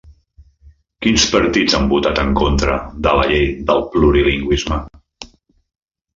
Quins partits han votat en contra de la llei del plurilingüisme?